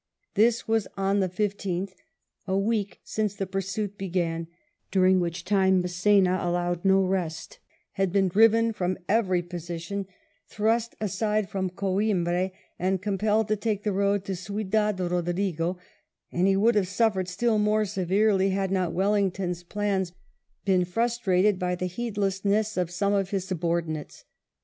This was on the 15th, a week since the pursuit began, during which time Mass^na, allowed no rest, had been driven from every position, thrust aside from Coimbra, and compelled to take the road to Giudad Bodrigo ; and he would have suffered still more severely had not Wellington's plans been frustrated by the heedlessness of some of his subordinates.